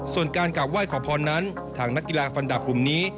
ส่วนการกลับไหว้ขอพรนั้นทางนักกีฬาฟันดับกลุ่มนี้